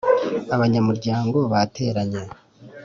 abanyamuryango bateranye .